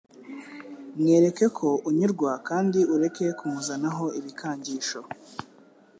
Mwereke ko unyurwa kandi ureke kumuzanaho ibikangisho